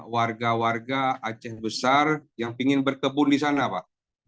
warga warga aceh besar yang ingin berkebun di sana pak